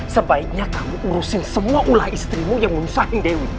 sebaiknya kamu urusin semua ulah istrimu yang merusakin dewi